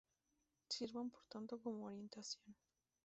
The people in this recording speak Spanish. Sirvan por tanto como orientación.